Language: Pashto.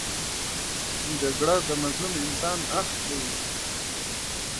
جګړه د مظلوم انسان آه دی